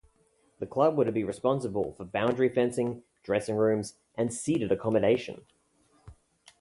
The club were to be responsible for boundary fencing, dressing rooms and seated accommodation.